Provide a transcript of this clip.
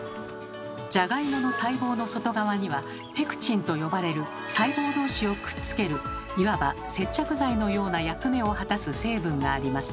ジャガイモの細胞の外側には「ペクチン」と呼ばれる細胞同士をくっつけるいわば接着剤のような役目を果たす成分があります。